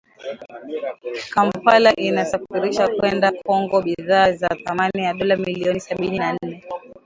Kampala inasafirisha kwenda Congo bidhaa za thamani ya dola milioni sabini na nne